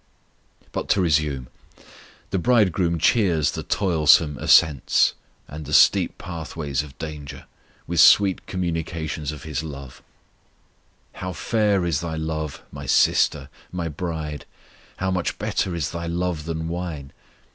But to resume. The Bridegroom cheers the toilsome ascents, and the steep pathways of danger, with sweet communications of His love: How fair is thy love, My sister, My bride! How much better is thy love than wine!